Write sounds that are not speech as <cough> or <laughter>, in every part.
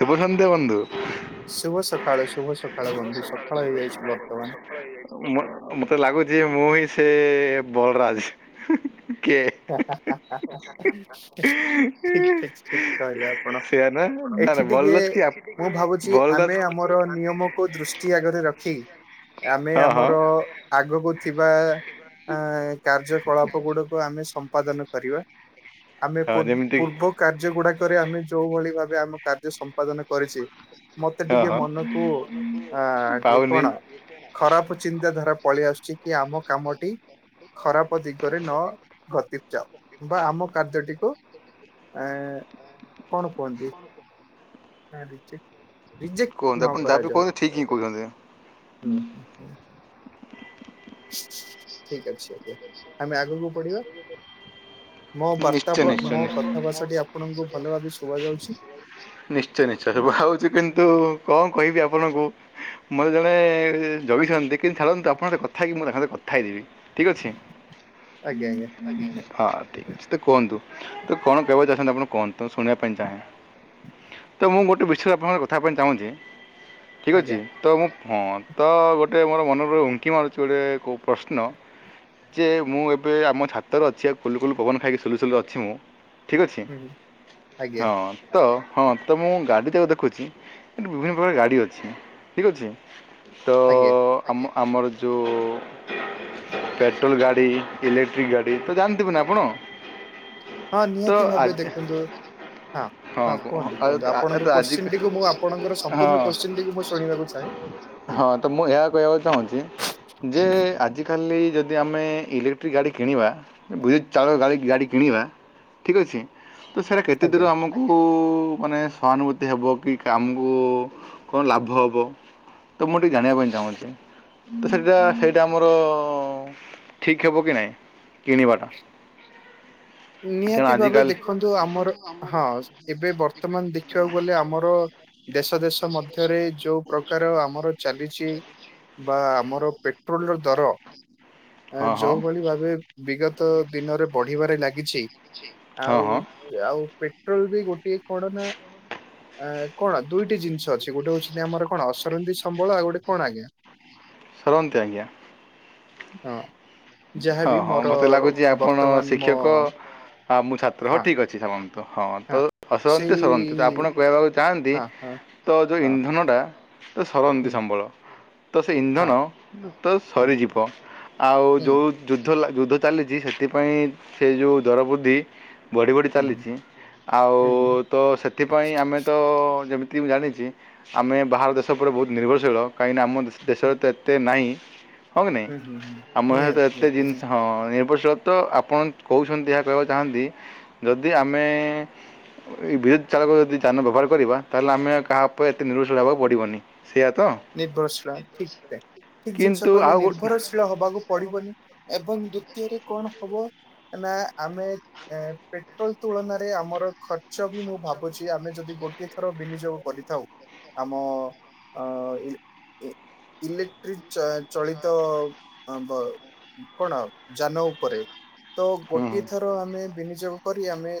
ଶୁଭ ସନ୍ଧ୍ୟା ବନ୍ଧୁ। ଶୁଭ ସକାଳ ଶୁଭ ସକାଳୁ ବନ୍ଧୁ ସକାଳ ହେଇଯାଇଛି ବର୍ତ୍ତମାନ। ତ ମ ମତେ ଲାଗୁଛି ମୁଁ ହିଁ ସେ ବଳରାଜ। କିଏ ହା ହା ହା ହା ଠିକ ଠିକ ଠିକ କହିଲ ଆପ ପଣ ସେୟା ନା ନା ଏଠି ନା ଟିକେ ବଳରାଜ କି ଆ ମୁଁ ଭାବୁଛି ବଳରାଜ ଆମେ ଆମର ନିୟମକୁ ଦୃଷ୍ଟି ଆଗରେ ରଖ ଖି ଆମେ ହଁ ହଁ ଆମର ଆଗକୁ ଥିବା ଅ କାର୍ଯ୍ୟକଳାପ ଗୁଡକୁ ଆମେ ସ ମ୍ପାଦନ କରିବା ଆମେ ହଁ ପୂର୍ବ ଯେମିତି ପୂର୍ବ କାର୍ଯ୍ୟ ଗୁଡାକରେ ଆମେ ଯୋଉ ଭଳି ଭାବେ ଆମ କାର୍ଯ୍ୟ ସମ୍ପାଦନ କରିଚେ ମତେ ହଁ ଟିକେ ହଁ ମନକୁ ଆ ଟିକେ ପାଉନି। କଣ ଖରାପ ଚିନ୍ତା ଧାରା ପଳେଇ ଆସୁଛି କି ଆମ କାମଟି ଖରାପ ଦିଗରେ ନ ଗତି ପ ଚାଉ ବା ଆମ କାର୍ଯ୍ୟଟିକୁ ଏ କଣ କୁହନ୍ତି ହ ରିଜେଟ ରିଜେକ୍ଟ କୁହନ୍ତୁ ନ ଆପଣ ଯାହା ବି କରାଯାଉ କୁହନ୍ତୁ ଠିକ୍ ହିଁ କହୁଛନ୍ତି ହୁଁ ହୁଁ। ଠିକ ଅଛି ଆଜ୍ଞା ଆମେ ଆଗକୁ ବଢିବା। ମୋ ବାର୍ତ୍ତା ନିଶ୍ଚୟ ପଳ ନିଶ୍ଚୟ ମୋ ନିଶ୍ଚୟ କଥା ଭାଷା ଟି ଆପଣଙ୍କୁ ଭଲ ଭାବେ ଶୁଭା ଯାଉଛି। ନିଶ୍ଚୟ ନିଶ୍ଚୟ ଶୁଭା ହଉଚି କିନ୍ତୁ କଣ କହିବି ଆପଣଙ୍କୁ ମୋତେ ଜଣେ ଜଗିଚନ୍ତି କିନ୍ତୁ ଛାଡ଼ନ୍ତୁ ଆପଣଙ୍କ ସହିତ କଥା ହେଇକି ମୁଁ ତାଙ୍କ ସହି କଥା ହେଇଯିବି। ଠିକ ଅଛି ଆଜ୍ଞା ଆଜ୍ଞା ହ। ଠିକ ଅ ତ କୁହନ୍ତୁ ତୁ କଣ କହିବା ପାଇଁ ଚାହାଁନ୍ତି ଆପଣ କୁହନ୍ତୁ ଶୁଣିବା ପାଇଁ ଚାହେଁ। ତ ମୁଁ ଗୋଟେ ବିସୟ ଆପଣଙ୍କ ସାଙ୍ଗରେ କଥା ପାଇଁ ଚାହୁଁଛି ଠିକ୍ ଆଜ୍ଞା ଅଛି। ତ ମୁଁ ହଁ ତ ଗୋଟେ ମୋର ମନରୁ ଉଙ୍କି ମାରୁଛି ଗୋଟେ କୋଉ ପ୍ରଶ୍ନ ଯେ ମୁଁ ଏବେ ଆମ ଛାତରେ ଅଛି ଆକୁ କୁଲୁ କୁଲୁ ପବନ ଖାଇକି ଶୁଲୁସୁଲୁ ଅଛି ମୁଁ ଠିକ୍ ଅଛି ହୁଁ ଆଜ୍ଞା ହଁ। ତ ହଁ ତ ମୁଁ ଗାଡ଼ି ତାକୁ ଦେଖୁଛି ବିଭିନ୍ନ ପ୍ରକାର ଗାଡି ଅଛି ଠିକ ଅଛି ତ ଆଜ୍ଞା। ଓ ଆମର ଯୋଉ ପେଟ୍ରୋଲ ଗାଡ଼ି ଇଲେକ୍ଟ୍ରିକ୍ ଗାଡ଼ି ତ ଜାଣ ଥିବେ ନା ଆପଣ। ହଁ ତ ନିହାତି ଭାବେ ଆଜି ଦେଖନ୍ତୁ ହଁ। ହଁ କୁହନ୍ତୁ କୁହନ୍ତୁ ଆ- ତ ଆପଣଙ୍କ ଆଜି କୋଶ୍ଚିନଟିକୁ ମୁଁ ଆପଣଙ୍କର ହଁ ସମ୍ପୂର୍ଣ୍ଣ କୋଶ୍ଚିନଟିକୁ ମୁଁ ଶୁଣିବାକୁ ଚାହେଁ? ହୁଁ ହଁ ତ ମୁଁ ଏହା କହିବାକୁ ଚାହୁଁଛି? ଯେ ଆଜିକାଲି ଯଦି ଆମେ ଇଲେକ୍ଟ୍ରିକ ଗାଡ଼ି କିଣିବା। ବୁଲେଟ ଚାଳକ ଗା ଗାଡ଼ି କିଣିବା ଠିକ୍ ଅଛି ତ ସେରା କେତେ ଆଜ୍ଞା। ଦୂର ଆମକୁ ଆମକୁ ମାନେ ସହାନୁଭୂତି ହେବ କି କାମକୁ କଣ ଲାଭ ହେବ? ତ ମୁଁ ଟିକେ ଜଣିବା ପାଇଁ ଚାହୁଁଛି? ତ ସେଇଟା ସେଇଟା ଆମର ଠିକ ହବ କି ନାହିଁ? କିଣିିବାଟା? ନିହାତି ଭାବେ ଦେଖନ୍ତୁ ଆମର ହଁ ଏବେ ବର୍ତ୍ତମାନ ଦେଖିବାକୁ ଗଲେ ଆମର ଦେଶ ଦେଶ ମଧ୍ୟରେ ଯୋଉ ପ୍ରକାର ଆମର ଚାଲିଛି ବା ଆମର ପେଟ୍ରୋଲର ଦର ହଁ ହଁ ଯୋଉଭଳି ଭାବେ ବିଗତ ଦିନରେ ବଢିବାରେ ଲାଗିଛି ହଁ ଆଉ ହଁ ଆଉ ପେଟ୍ରୋଲ ବି ଗୋଟେ କଣ ନା? ଆ କଣ ଦୁଇଟି ଜିନିଷ ଅଛି ଗୋଟେ ହଉଛନ୍ତି ଆମର କଣ ଅସରନ୍ତି ସମ୍ବଳ ଆଉ ଗୋଟେ କଣ ଆଜ୍ଞା? ସରନ୍ତି ଆଜ୍ଞା। ହଁ ହଁ ଯାହାବି ହଁ ମୋର ମତେ ଲାଗୁଛି ଆପଣ ବର୍ତ୍ତମାନ ମୋ ଶିକ୍ଷକ? ହଁ ମୁଁ ଛାତ୍ର ହଉ ହଁ ଠିକ୍ ଅଛି ଚାଲନ୍ତୁ ହଁ ତ ଅସରନ୍ତି ସେଇ ସରନ୍ତି ତ ଆପଣ କହିବାକୁ ଚାହାନ୍ତି? ହଁ ହଁ ତ ଯୋଉ ହଁ ଇନ୍ଧନଟା ସେ ସରନ୍ତି ହୁଁ, ସମ୍ବଳ ତ ସେ ଇନ୍ଧନ ହଁ ତ ହୁଁ, ସରିଯିବ ଆଉ ହୁଁ, ଯୋଉ ଯୁଦ୍ଧ ଯୁଦ୍ଧ ଚାଲିଛି ସେଥିପାଇଁ ସେ ଯୋଉ ଦର ବୃଦ୍ଧି ବଢ଼ି ବଢ଼ି ହୁଁ ଚାଲିଛି ଆଉ ତ ସେଥିପାଇଁ ଆମେ ତ ଯେମିତି ଏ ମୁଁ ଜାଣିଛି ଆମେ ବାହାର ଦେଶ ଉପରେ ବହୁତ ନିର୍ଭରଶୀଳ କାହିଁକିନା ଆମ ଦେଶରେ ଏତେ ଏତେ ନାହିଁ ହଁ କି ନାଇଁ ଆମ ଏତେ ଜିନିଷ ହଁ ନିର୍ଭରଶୀଳତ ଆପଣ କହୁଛନ୍ତି ଏହା କହିବାକୁ ଚାହାଁନ୍ତି ଯଦି ଆମେ ଏଇ ବିଦ୍ୟୁତ୍ ଚାଳକ ଯଦି ଯାନ ବ୍ୟବହାର କରିବା ତାହେଲେ ଆମେ କାହା ଉପରେ ଏତେ ନିର୍ଭରଶୀଳ ହେବାକୁ ପଡିବନି। ସେଇଆ ତ ନିର୍ଭରଶୀଳ ଠିକ ସେ ଠିକ ଜିନିଷ କିନ୍ତୁ କହିଲେ ଆଉ ଗୋଟେ ନିର୍ଭରଶୀ ଳ ହବାକୁ ପଡିବନି ଏବଂ ଦ୍ଵିତୀୟରେ କଣ ହବ ନା ଆମେ ଏ ପେଟ୍ରୋଲ ତୁଳନାରେ ଆମର ଖର୍ଚ୍ଚ ବି ମୁଁ ଭାବୁଛି ଆମେ ଯଦି ଗୋ ଗୋଟେ ଥର ବିନିଯୋଗ କରିଥାଉ ଆମ ଅ ଇ ଇ ଇଲେକ୍ଟ୍ରିକ ଚଳିତ କଣ ଯାନ ଉପରେ ତ ହୁଁ ହୁଁ ଗୋଟିଏ ଥର ଆମେ ବିନିଯୋଗ କରି ଆମେ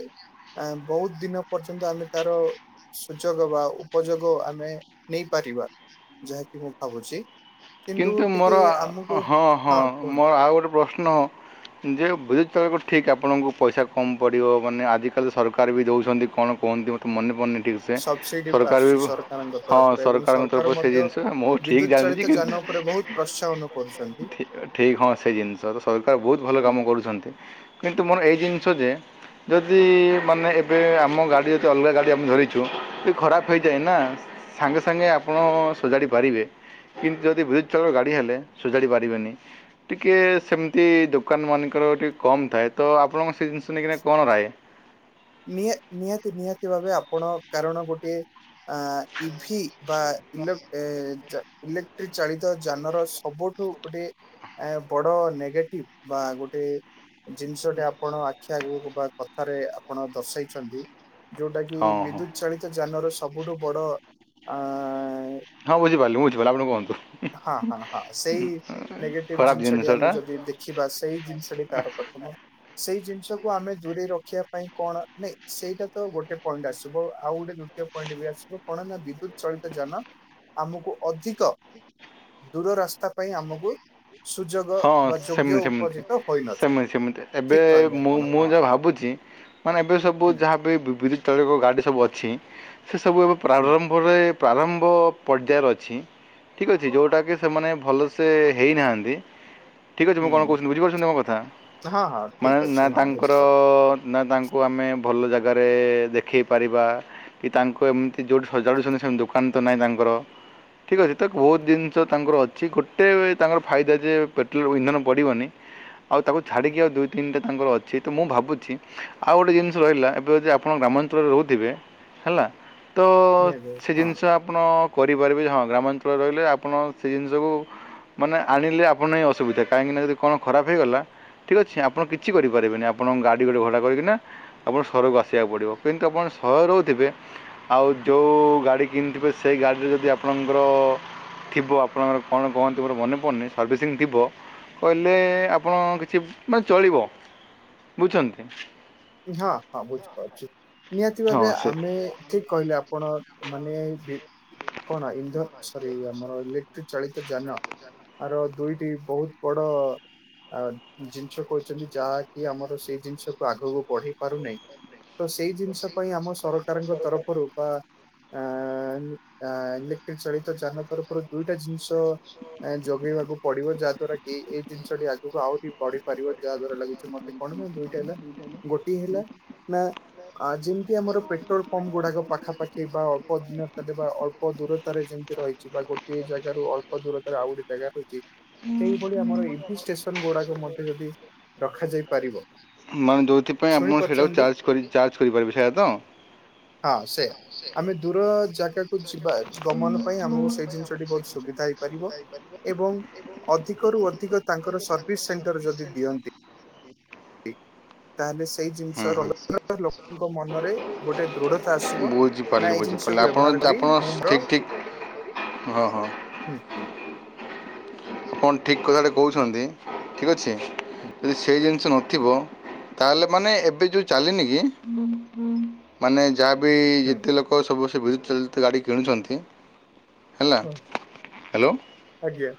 ଆ ବହୁତ ଦିନ ପର୍ଯ୍ୟନ୍ତ ଆମେ ତାର ସୁଯୋଗ ବା ଉପଯୋଗ ଆମେ ନେଇପାରିବା। ଯାହାକି ମୁଁ ଭାବୁଛି କିନ୍ତୁ ଟିକେ ମୋର ଆମକୁ ହଁ ହଁ ମୋର ଆଉ ଗୋଟେ ପ୍ରଶ୍ନ? ଯେ ବିଦ୍ୟୁତ୍ ଚାଳକ ଠିକ୍ ଆପଣଙ୍କୁ ପଇସା କମ୍ ପଡ଼ିବ ମାନେ ଆଜିକାଲି ସରକାର ବି ଦେଉଛନ୍ତି କଣ କୁହନ୍ତି ମ ତ ମନେ ମନେ ଠିକ ସେ ସବସିଡି ସରକାର ଆସୁଛି ବି ସରକାରଙ୍କ ହଁ ତରଫରୁ ଏବଂ ସରକାରଙ୍କ ସରକାର ତରଫରୁ ସେ ମଧ୍ୟ ଜିନିଷ ମୁଁ ଠିକ୍ ବିଦ୍ୟୁତ ଜାଣିଛି ଚାଳିତ କି ଯାନ ଉପରେ ବହୁତ ପ୍ରୋତ୍ସାହନ କରୁଛନ୍ତି। ଠିକ୍ ହଁ ସେ ଜିନିଷ ତ ସରକାର ବହୁତ ଭଲ କାମ କରୁଛନ୍ତି କିନ୍ତୁ ମୋର ଏଇ ଜିନିଷ ଯେ ଯଦି ମାନେ ଏବେ ଆମ ଗାଡ଼ି ଯଦି ଅଲଗା ଗାଡ଼ି ଆମେ ଧରିଛୁ ସିଏ ଖରାପ ହେଇଯାଏ ନା ସାଙ୍ଗେ ସାଙ୍ଗେ ଆପଣ ସଜାଡ଼ି ପାରିବେ। କିନ୍ତୁ ଯଦି ବିଦ୍ୟୁତ୍ଚାଳ ଗାଡ଼ି ଆଣିଲେ ସଜଡ଼ି ପାରିବେନି। ଟିକିଏ ସେମିତି ଦୋକାନ ମାନଙ୍କର ଟିକେ କମ୍ ଥାଏ ତ ଆପଣଙ୍କ ସେ ଜିନିଷ ନେଇକନା କଣ ରାଏ? ନି ନିହାତି ନିହାତି ଭାବେ ଆପଣ କାରଣ ଗୋଟେ ଆ ଇଭି ବା ଇଲୋ ଏ ଚା ଇଲେକ୍ଟ୍ରିକ ଚାଳିତ ଯାନର ସବୁଠୁ ଗୋଟେ ଏ ବଡ଼ ନେଗେଟିଭ୍ ବା ଗୋଟେ ଜିନିଷଟା ଆପଣ ଆଖି ଆଗକୁ ବା କଥାରେ ଆପଣ ଦର୍ଶାଇଛନ୍ତି। ଯୋଉଟା କିି ହଁ ହଁ ବିଦ୍ୟୁତ ଚାଳିତ ଯାନର ସବୁଠୁ ବଡ ଆ ହଁ ମୁଁ ବୁଝିପାରିଲି ମୁଁ ବୁଝିପାରିଲି ଆପଣ କୁହନ୍ତୁ? ହଁ ହଁ ହଁ ସେଇ ନେଗେଟିଭ ଖରାପ ଜିନିଷଟି ଆମେ ଜିନିଷଟା ଯଦି ଦେଖିବା ସେଇ ଜିନିଷଟି ତାର ପ୍ରଥମ ସେଇ ଜିନିଷକୁୁ ଆମେ ଦୂରେଇ ରଖିବା ପାଇଁ କଣ ନାଇଁ ସେଇଟା ତ ଗୋଟେ ପଏଣ୍ଟ ଆସିବ ଆଉ ଗୋଟେ ପଏଣ୍ଟ ବି ଆସିବ କଣ ନା ବିଦ୍ୟୁତ ଚଳିତ ଯାନ ଆମକୁ ଅଧିକ ଦୂଢ ରାସ୍ତା ପାଇଁ ଆମକୁ ସୁଯୋଗ ହଁ ବା ଯୋଗ୍ୟ ସେମିତି ସେମିତି ଉପଜିତ ହୋଇନଥାଏ ସେମିତି ସେମିତି ଏବେ ଠିକ କହିଲେ ମୁଁ ଆପଣ ମୁଁ ହଁ। ଯା ଭାବୁଛି ମାନେ ଏବେ ସବୁ ହୁଁ ଯାହାବ ବି ବିଦ୍ୟୁତ୍ ଚଳିତ ଗାଡ଼ି ସବୁ ଅଛି ସେ ସବୁ ଏବେ ହୁଁ ପ୍ରାରମ୍ଭରେ ପ୍ରାରମ୍ଭ ପର୍ଯ୍ୟାୟର ଅଛି ଠିକ୍ ଅଛି, ଯେଉଁଟାକି ସେମାନେ ଭଲସେ ହେଇନାହାନ୍ତି। ଠିକ୍ ଅଛି ମୁଁ କଣ ହୁଁ କହୁଛି ବୁଝିପାରୁଛନ୍ତି ମୋ କଥା? ହଁ ହଁ ଠିକ ମାନେ ଅଛି ନା ହଁ ତାଙ୍କର ବୁଝିପାରୁଛି ନା ତାଙ୍କୁ ଆମେ ଭଲ ଜାଗାରେ ଦେଖାଇ ପାରିବା? କି ତାଙ୍କୁ ଏମିତି ଯୋଉଠି ସଜାଡୁଛନ୍ତି ସେମିତି ଦୋକାନ ତ ନାହିଁ ତାଙ୍କର। ଠିକ୍ ଅଛି ତ ବହୁତ ଜିନିଷ ତାଙ୍କର ଅଛି ଗୋଟେ ତାଙ୍କର ଫାଇଦା ଯେ ପେଟ୍ରୋଲ ଇନ୍ଧନ ପଡ଼ିବନି ଆଉ ତାକୁ ଛାଡ଼ିକି ଆଉ ଦୁଇ ତିନିଟା ତାଙ୍କର ଅଛି। ତ ମୁଁ ଭାବୁଛି ଆଉ ଗୋଟେ ଜିନିଷ ରହିଲା ଏବେ ଯଦି ଆପଣ ଗ୍ରାମାଞ୍ଚଳରେ ରହୁଥିବେ ହେଲା। ତ ନିହାତି ହଁ ସେ ଜିନିଷ ଆ ଆପଣ କରିପାରିବେ ହଁ ଗ୍ରାମାଞ୍ଚଳରେ ରହିଲେ ଆପଣ ସେ ଜିନିଷକୁ ମାନେ ଆଣିଲେ ଆ ଆପଣ ଅସୁବିଧା କାହିଁକି ଯଦି କଣ ଖରାପହେଇଗଲା ଠିକ୍ ଅଛି ଆପଣ କିଛି କରିପାରିବେନି ଆପଣଙ୍କ ଗାଡ଼ି ଗୋଟେ ଭଡ଼ା କରିକିନା ଆପଣ ସହରକୁ ଆସିବାକୁ ପଡ଼ିବ କିନ୍ତୁ ଆପଣ ସହରହୁଥିବେ ଆଉ ଯେଉଁ ଗାଡ଼ି କିଣିଥିବେ ସେଇ ଗାଡ଼ିରେ ଯଦି ଆପଣଙ୍କର ଥିବ ଆପଣଙ୍କର କଣ କହନ୍ତି ମୋର ମନେ ପଡ଼ନି ସର୍ଭିସିଂ ଥିବ କହିଲେ ଆପଣ କିଛି ମାନେ ଚଳିବ। ବୁଝୁଛନ୍ତି। ହଁ ହଁ ବୁଝିପାରୁଛି। ନିହାତି ହଁ ଭାବେ ସେ ଆମେ ଠିକ କହିଲେ ଆପଣ ମାନେ ବି କଣ ଇଧର ସରି ଆମରଇ ଇଲେକ୍ ଟି ଚାଳିତ ଯାନ ଆର ଦୁଇଟି ବହୁତ ବଡ ଆ ଜିନିଷ କହିଛନ୍ତି ଯାହାକି ଆମର ସେଇ ଜିନିଷକୁ ଆଗକୁ ପଢି ପାରୁନାହିଁ। ତ ସେଇ ଜିନିଷ ପାଇଁ ଆମ ସରକାରଙ୍କ ତରଫରୁ ବା ଆ ଇନ୍ ଆ ଇଲେକ୍ଟ୍ରିକ ଚାଳିତ ଯାନ ତର ଉପର ଦୁଇଟା ଜିନିଷ ଯୋଗେଇବାକୁ ପଡିବ ଯାହା ଦ୍ଵାରା କି ଏଇ ଜିନିଷଟି ଆହୁରି ବଢିପାରିବ ଯାହା ଦ୍ଵାରା ଲାଗୁଛି ମତେ କଣ ହୁ ଦୁଇଟା ହେଲା ଗୋଟିଏ ହେଲା। ନା ଯେମିତି ଆମର ପେଟ୍ରୋଲ ପମ୍ପ ଗୁଡାକ ପାଖାପାଖି ବା ଅଳ୍ପ ଦିନ ତଲେ ବା ଅଳ୍ପ ଅଳ୍ପ ଦୂରତାରେ ଯେମିତି ରହିଛି ବା ଗୋଟଏ ଜାଗାରୁ ଅଳ୍ପ ଦୂରତାରେ ଆଉ ଗୋଟେ ଜାଗା ରହିଛି। ସେଇଭଳି ଆମର ଇଭି ଷ୍ଟେସନ ଗୁଡାକ ମଧ୍ୟ ଯଦି ରଖାଯାଇ ପାରିବ। ମାନେ ଯେଉଁଥିପାଇଁ ଶୁଣି ଆପଣ ସେଇଟାକୁ ପାରୁଛନ୍ତି ଚାର୍ଜ କରି ଚାର୍ଜ କରିପାରିବେ ସେଇଟା ତ? ହଁ ସେୟା। ଆମେ ଦୂର ଜାଗା ଯିବା ଗମନ ପାଇଁ ଆମକୁ ସେଇ ଜିନିଷଟି ବହୁତ ସୁବିଧା ହେଇପାରିବ ଏବଂ ଅଧିକରୁୁ ଅଧିକ ତାଙ୍କର ସର୍ଭିସ ସେଣ୍ଟର ଯଦି ଦିଅନ୍ତି। ତାହେଲେ ସେଇ <inaudible> ଜିନିଷ ହୁଁ ହୁଁ ରହିବାର ଲୋକଙ୍କ ମନରେ ବୁଝ ଗୋଟେ ଦୃଢତା ଆସିବ। ନା ବୁଝିପାରିଲି ଏଇ ଜିନିଷକୁ ବୁଝିପାରିଲି ବ୍ୟବହାର ଆପଣ କରି ଆପଣ ମୁଁ ମୋର ଠିକ୍ ଠିକ୍ ହଁ ହଁ। ହୁଁ ହୁଁ। ଆପଣ ଠିକ୍ କଥାଟେ କହୁଛନ୍ତି ଠିକ୍ ଅଛି। ଯଦି ସେଇ ଜିନିଷ ନଥିବ ତାହେଲେ ମାନେ ଏବେ ଯୋଉ ଚାଲିନି କି ମାନେ ଯାହାବି ହୁଁ ହୁଁ ଯେତେ ଲୋକ ସବୁ ସେ ବିଜୁତ୍ ଚାଳିତ ଗାଡ଼ି କିଣୁଛନ୍ତି ହେଲା ହଁ ହ୍ୟାଲୋ। ଆଜ୍ଞା।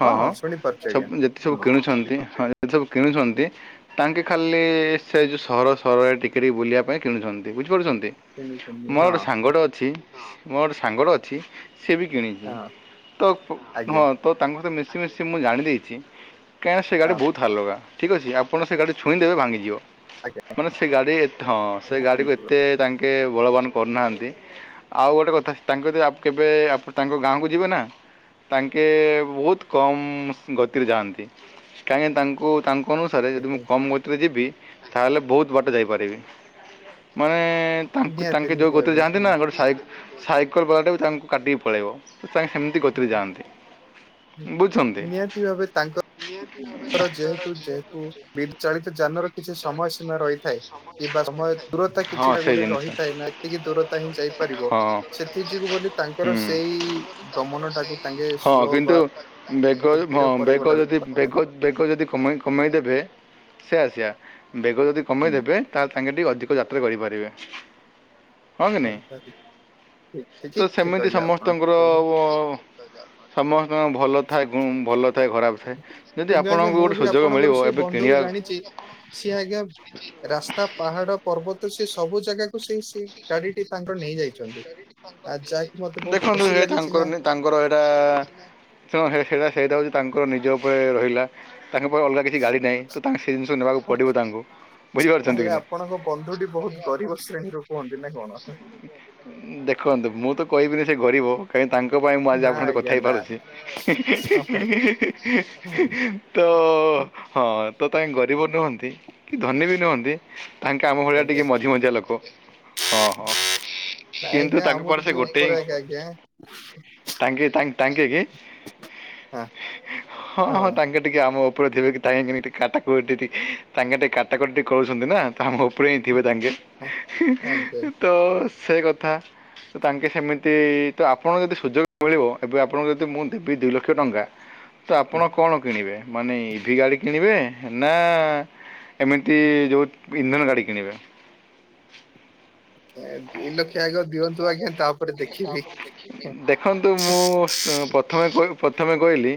ହଁ ଶୁଣିପାରୁଛି ଆଜ୍ଞା ସବୁ ଯେତେ ସବୁ ହୁଁ କିଣୁଛନ୍ତି ହଁ ଯେତେ ସବୁ କିଣୁଛନ୍ତି। ତାଙ୍କେ ଖାଲି ସେ ଯେ ସହର ସହରରେ ଟିକେଟିକେ ବୁଲିବା ପାଇଁ କିଣୁଛନ୍ତି ବୁଝିପାରୁଛନ୍ତି। ଶୁଣୁଛନ୍ତି ମୋର ହଁ ଗୋଟେ ସାଙ୍ଗଟେ ଅଛି। ମୋର ଗୋଟେ ସାଙ୍ଗଟେ ଅଛି ସେ ବି କିଣିଛି ହଁ ତ ହଁ ଆଜ୍ଞା ତ ତାଙ୍କ ତ ମିଶି ମିଶି ମୁଁ ଜାଣିଦେଇଛି, କାହିଁକିନା ସେ ଗାଡ଼ି ହଁ ବହୁତ ହଲୁକା। ଠିକ୍ ଅଛି, ଆପଣ ସେ ଗାଡ଼ି ଛୁଇଁ ଦେବେ ଭାଙ୍ଗିଯିବ। ଆଜ୍ଞା। ମାନେ ସେ ଗାଡି ଥ ସେ ଗାଡିକୁ ଏତେ ତାଙ୍କେ ବଳବାନ କରିନାହାନ୍ତି ଆଉ ଗୋଟେ କଥା, ତାଙ୍କ ଯେ କେବେ ଆପ ତାଙ୍କ ଗାଁକୁ ଯିବେନା ତାଙ୍କେ ବହୁତ କମ ଗତିରେ ଯାଆନ୍ତି, କାହିଁକି ନା ତାଙ୍କୁ ତାଙ୍କ ଅନୁସାରେ ଯଦି ମୁଁ କମ ଗତି ଯଦି ଯିବି ତାହେଲେ, ବହୁତ ବାଟ ଯାଇପାରିବି। ମାନେ ତାଙ୍କୁ ନିହାତି ତାଙ୍କେ ଯୋଉ ନିହାତି ଗତିରେ ଭାବେ ହୁଁ ଯାଆନ୍ତିନା ଗୋଟେ ସାଇ ସାଇକେଲ ବାଲାଟା ବି ତାଙ୍କୁ କାଟିକି ପଳେଇବ ତାଙ୍କେ ସେମିତି ଗତିରେ ଯାଆନ୍ତି। ବୁଝନ୍ତି। ନିହାତି ଭାବେ ତାଙ୍କ ର ଯେହେତୁ ଯେହେତୁ ବିଦ୍ୟୁତ ଚାଳିତ <unintelligible> କିବା ସମୟ ଦୂରତା ହଁ କିଛିଟା ସେଇ ଗୋଟେ ଜିନିଷ। ରହିଥାଏ ନା ଏତିକି ଦୂରତା ହିଁ ଯାଇପାରିବ। ହଁ। ସେଥି ଯୋଗୁ ବୋଲି ତାଙ୍କର ହୁଁ। ସେଇ ଗମନ ଟାକୁ ତାଙ୍କେ ହଁ ସ୍ଲୋ କିନ୍ତୁ ବା ବେଗ ଯଦି ଧୀର ହଁ ବେଗ ଯଦି ବେ ପରିବର୍ତ୍ତନ ବେଗ ଯଦି କମାଇ କମାଇଦେବେ ସେଇୟା, ସେଇୟା ବେଗ ଯଦି କମାଇଦେବେ ତାହାଲେ ତାଙ୍କେ ଟିକେ ଅଧିକ ଯାତ୍ରେ କରିପାରିବେ। ହଁ କି ନାଇଁ, ଠିକ ତ ଠିକ ସେମିତି କହିଲେ ଆପଣ ଠିକ ସମସ୍ତଙ୍କର କହିଲେ। ଓ ସମ ହଁ ଭଲ ଥାଏ ହୁଁ ଭଲ ଥାଏ ଖରାପ ଥାଏ, ଯଦି କିନ୍ତୁ ଆଜ୍ଞା ଆପଣଙ୍କୁ ଗୋଟେ ସୁଯୋଗ ମିଳିବ ଏବେ କିଣିବାକୁ ଛି ଆ <unintelligible> ରାସ୍ତା, ପାହାଡ, ପର୍ବତ ସେ ସବୁ ଜାଗାକୁ ସେଇ ସେ ଗାଡିଟି ତାଙ୍କର ନେଇ ଯାଇଛନ୍ତି। ଆ ଯାଇକି ମତେ ବହୁତ ଦେଖନ୍ତୁ ଖୁସି ହେ ଲାଗିଛି ତାଙ୍କର ନା। ତାଙ୍କର ହେଇଟା ଯୋଉ ହେଇଟା ସେଇଟା ହେଉଛି ତାଙ୍କର ନିଜ ଉପରେ ରହିଲା। ତାଙ୍କ ପାଖ ଅଲଗା କିଛି ଗାଡ଼ି ନାହିଁ, ତ ତାଙ୍କଙ୍କୁ ସେ ଜିନିଷକୁ ନେବାକୁ ପଡ଼ିବ ତାଙ୍କୁ ବୁଝିପାରୁଛନ୍ତି ତାହେଲେ କି ନାଇଁ। ଆପଣଙ୍କ ବନ୍ଧୁଟି ବହୁତ ଗରିବ ଶ୍ରେଣୀରୁ କୁହନ୍ତି ନା କଣ? ଦେଖନ୍ତୁ, ମୁଁ ତ କହିବିନି ସେ ଗରିବ କାହିଁକି ତାଙ୍କ ପାଇଁ ମୁଁ ଆଜି ନା ଆପଣ ତ କଥା ଆଜ୍ଞା ନା ହେଇପାରୁଛି। ହି, ହି, ହି, ହିଇ, ହି ତ ହଁ ତ ତାଙ୍କେ ଗରିବ ନୁହଁନ୍ତି କି ଧନୀ ବି ନୁହନ୍ତି। ତାଙ୍କେ ଆମ ଭଳିଆ ଆଜ୍ଞା ଟିକେ ମଝି ମଝିଆ ଲୋକ ହଁ, ହଁ। ନାଇଁ, କିନ୍ତୁ ଆଜ୍ଞା ତାଙ୍କ ପରେ ଆମଠୁ ସେ ଟିକେ ଗୋଟେ ଉପରେ ଆଜ୍ଞା, ଆଜ୍ଞା। ତାଙ୍କେ ତା ତାଙ୍କେ କେ ହଁ ହଁ, ହଁ ତାଙ୍କେ ଟିକେ ଆମ ଉପରେ ଥିବେକି, ତାଙ୍କେ ଯେମିତି କାଟାକୁଟିକି ତାଙ୍କେ ସେଠି କାଟାକୁଟି କଉଛନ୍ତି ନା। ତ ଆମ ଉପରେ ହିଁ ଥିବେ ତାଙ୍କେ ଆଜ୍ଞା ଆଜ୍ଞା ତ ସେ କଥା ତାଙ୍କେ ସେମିତି ତ ଆପଣଙ୍କୁ, ଯଦି ସୁଯୋଗ ମିଳିବ ଏବେ ଆପଣଙ୍କୁ ଯଦି ମୁଁ ଦେବି ଦୁଇ ଲକ୍ଷ ଟଙ୍କା। ତ ଆପଣ କଣ କିଣିବେ, ମାନେ ଇଭିି ଗାଡ଼ି କିଣିବେ ନା ଏମିତି ଯୋଉ ଇନ୍ଧନ ଗାଡି କିଣିବେ? ଏ ଦୁଇ ଲକ୍ଷ ଆଗ ଦି ଦେଖନ୍ତୁ ମୁଁ ପଥମେ କହିବୁ ପଥମେ କହିଲି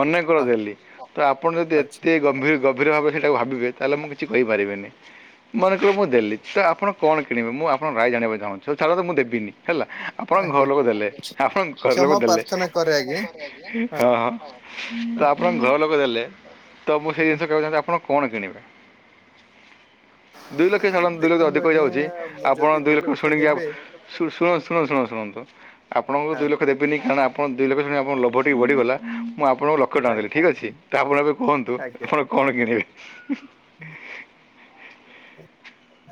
ମନେକର ହଁ ଦେଲି ତ ଆପଣ ଯଦି ଆଚ୍ଛା ଏତେ ଗମ୍ଭୀର ଗ ଗଭୀର ଭାବେ ସେଇଟାକୁ ଭାବିବେ, ତାହେଲେ ମୁଁ କିଛି କହିପାରିବିନି। ମନେକର, ମୁଁ ଦେଲି ତ ଆପଣ କଣ କିଣିବେ, ମୁଁ ଆପଣଙ୍କର ରାୟ ଜାଣିବାକୁ ଚାହୁଁଛି, ହଉ ଛାଡନ୍ତୁ ମୁଁ ଦେବିନି। ହେଲା ଆପଣଙ୍କ ଘର ଆଜ୍ଞା ଲୋକ ଦେଲେ, ଆପଣଙ୍କ ଘର ଲୋକ କ୍ଷମା ଦେଲେ। ପ୍ରାର୍ଥନା କରେ ଆଜ୍ଞା <inaudible> ହଁ, ହଁ ତ ଆପଣଙ୍କ ଘର ଲୋକ ଦେଲେ ତ ମୁଁ ସେଇ ଜିନିଷ କହୁଛି ଯେ, ଆପଣ କଣ କିଣିବେ? ଦୁଇ ଲକ୍ଷ ସାଧାରଣତଃ, ଦୁଇ ଲକ୍ଷ ଦେଖନ୍ତୁ ଅଧିକ ଆଜ୍ଞା ହେଇଯାଉଛି। ମୁଁ ଆପଣ ଯଦି ଦୁଇ ଲକ୍ଷ ଶୁଣିକି ଆଉ ଦେବେ ଶୁଣୁ, ଶୁଣ, ଶୁଣ, ଶୁଣନ୍ତୁ ଆପଣଙ୍କୁ ହଁ ଦୁଇ ଲକ୍ଷ ଦେବ ବିନି କାରଣ ଆପଣ ଦୁଇ ଲକ୍ଷ୍ୟ ଶୁଣି ଆପଣଙ୍କ ଲୋଭ ଟିକିଏ ବଢ଼ିଗଲା, ମୁଁ ଆଣଙ୍କୁ ଲକ୍ଷେ ଟଙ୍କା ଦେଲି, ଆଜ୍ଞା। ଠିକ୍ ଅଛି। ତାପରେ, ଏବେ କୁହନ୍ତୁ ଆପଣ କଣ କିଣିବେ?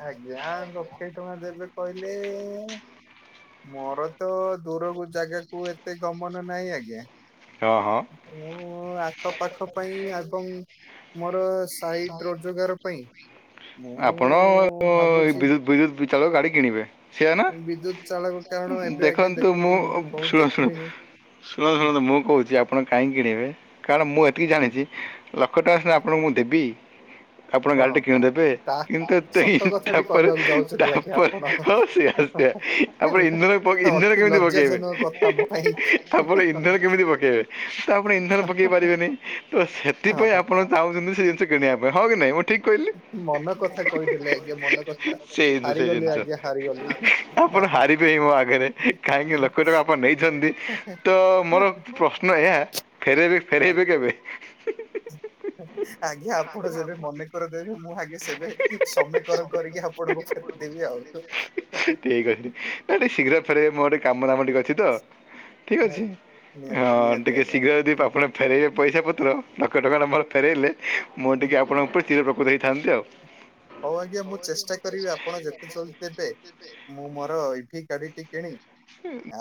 ଆଜ୍ଞା ଯା ଲକ୍ଷେ ଟଙ୍କା ଦେବେ କହିଲେ ମୋର ତ ଦୂରକୁ ଜାଗାକୁ ଏତେ ଗମନ ନାହିଁ ଆଜ୍ଞା। ହଁ ହଁ। ମୁଁ ଆଖପାଖ ପାଇଁ ଆଗ ମୋର ସାଇଡ ରୋଜଗାର ପାଇଁ ମୁଁ ଆପଣ ଅ ଭାବୁଛି ବିଦ୍ୟୁତ ବିଦ୍ୟୁତ ଦୁଇ ଚାଳ ଗାଡ଼ି କିଣିବେ ସେଆ ନା ବିଦ୍ୟୁତ ଚାଳକ କାରଣ ଏବେ ଆଜ୍ଞା ଦେଖନ୍ତୁ ମୁଁ ବି ବହୁତ ଶୁଣ ଶୁଣ ଦେଖିଲିଣି ଶୁଣନ୍ତୁ ହୁଁ ଶୁଣନ୍ତୁ ମୁଁ କହୁଛି ଆପଣ କାହିଁକି କିଣିବେ କାରଣ ମୁଁ ଏତିକି ହୁଁ ଜାଣିଛି ଲକ୍ଷ ଟଙ୍କା ସିନା ହୁଁ ଆପଣଙ୍କୁ ମୁଁ ଦେବି ଆପଣ ଗାଡି ଟେ ହଁ କିଣିଦେବେ ତା କିନ୍ତୁ ସତ କଥାଟି ତାପରେ କହିବାକୁ ଯାଉଛନ୍ତି ଆଜ୍ଞା ତାପରେ ଆପଣ। ହଉ ସେ ତାପରେ ଇନ୍ଧନ ହେଲା ଇନ୍ଧନ ଅତି କେମିତି ପକେଇବେ ଲଜ୍ଜାଜନକ କଥା ମୋ ପାଇଁ। ତାପରେ ଇନ୍ଧନ କେମିତି ପକେଇବେ ତ ଆପଣ ଇନ୍ଧନ ପକେଇ ପାରିବେନି ତ ସେଥିପାଇଁ ହଁ ଆପଣ ଚାହୁଁଛନ୍ତି ସେ ଜିନଷ କିଣିବା ପାଇଁ ହଁ କି ନାଇଁ ଠିକ୍ କହିଲି ମନ କଥା କହିଦେଲେ ଆଜ୍ଞା ମନ କଥା। ସେଇ ଜିନିଷ ସେଇ ହାରିଗଲି ଜିନିଷ ଆଜ୍ଞା ହାରିଗଲି। ଆପଣ ହାରିବେ ହିଁ ମୋ ଆଗରେ କାହିଁକି ଲକ୍ଷ ଟଙ୍କା ଆପଣ ନେଇଛନ୍ତି ତ ମୋର ପ୍ରଶ୍ନ ଏହା ଫେରେଇବେ ଫେରେଇବେ କେବେ? <inaudible> ଆଜ୍ଞା ଆପଣ ଯେବେ ମନେ କରିଦେବେ ମୁଁ ଆଜ୍ଞା ସେବେ ସମି କରିକି ଆପଣଙ୍କୁ ଫେରେଇଦେବି ଠିକ୍ ଆଉ। ନା ଟ ଶୀଘ୍ର ଫରେଇବେ ମୋର ଗୋଟେ କାମ ଦାମ ଟିକେ ଅଛି। ଠିକ୍ ଅଛି ହଁ ନିହାତି ନିହାତି ଟିକେ ଆଜ୍ଞା। ଶୀଘ୍ର ଯଦି ହୁଁ, ଆପଣ ଫେରାଇବେ ପଇସା ପତ୍ର ଲକ୍ଷେ ଟଙ୍କାଟା ମର ଫେରାଇଲେ ମୁଁ ହୁଁ। ଟିକେ ଆପଣଙ୍କ ଉପରେ ଚିର ଉପକୃତ ହେଇଥାନ୍ତି ଆଉ ହଉ ଆଜ୍ଞା ମୁଁ ଚେଷ୍ଟା କରିବି ଆପଣ ଯେତେ ଜଲଦି ଦେବେ ମୁଁ ମୋର ଇଭି ଗାଡିଟି କିଣି ହୁଁ।